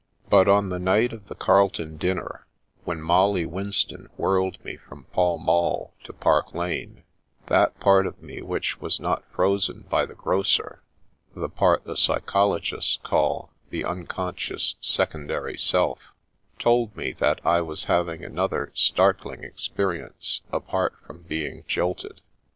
But on the night of the Carlton dinner, when Molly Winston whirled me from Pall Mall to Park Lane, that part of me which was not frozen by the grocer (the part the psychologists call the " uncon scious secondary self") told me that I was having another startling experience apart from being jilted.